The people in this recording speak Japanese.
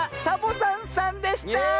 サボざんさんでした！